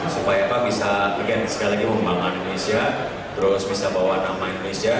supaya pak bisa sekali lagi membangun indonesia terus bisa bawa nama indonesia